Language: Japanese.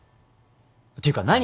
ていうか何？